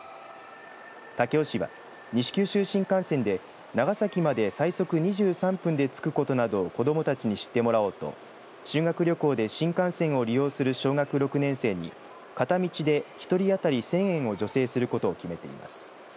武雄市は、西九州新幹線で長崎まで最速２３分で着くことなどを子どもたちに知ってもらおうと修学旅行で新幹線を利用する小学６年生に片道で１人当たり１０００円を助成することを決めています。